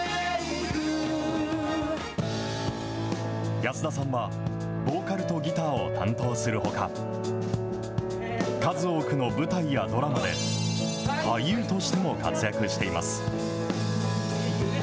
安田さんは、ボーカルとギターを担当するほか、数多くの舞台やドラマで、俳優としても活躍しています。